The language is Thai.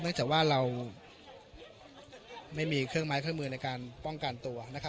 จากว่าเราไม่มีเครื่องไม้เครื่องมือในการป้องกันตัวนะครับ